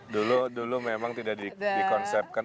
dulu memang tidak dikonsepkan